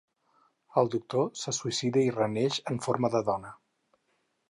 El doctor se suïcida i reneix en forma de dona.